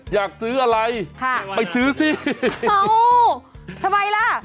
อยากซื้ออะไรไปซื้อสิเอ้าทำไมล่ะ